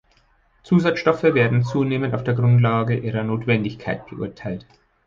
Zusatzstoffe werden zunehmend auf der Grundlage ihrer Notwendigkeit beurteilt.